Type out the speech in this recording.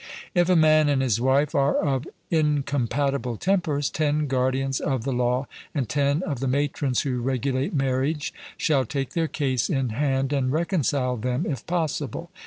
If a man and his wife are of incompatible tempers, ten guardians of the law and ten of the matrons who regulate marriage shall take their case in hand, and reconcile them, if possible.